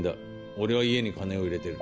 俺は家に金を入れてる。